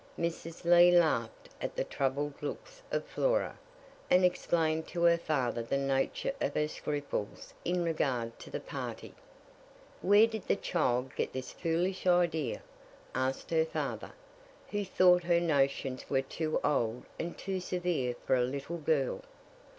Mrs. Lee laughed at the troubled looks of Flora, and explained to her father the nature of her scruples in regard to the party. "Where did the child get this foolish idea?" asked her father, who thought her notions were too old and too severe for a little girl.